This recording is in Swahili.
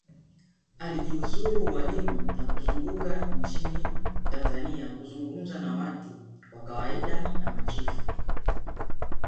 Alijiuzulu ualimu na kuzunguka nchini Tanganyika kuzungumza na watu wa kawaida na machifu